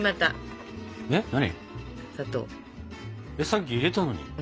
さっき入れたのに。